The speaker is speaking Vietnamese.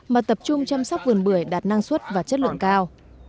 mà tập trung chăm sóc vườn bưởi đạt năng suất và chất lượng cao